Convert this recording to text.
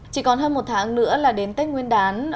chỉ còn hơn một tháng nữa là đến tết nguyên đán